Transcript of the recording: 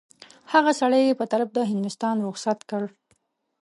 هغه سړی یې په طرف د هندوستان رخصت کړ.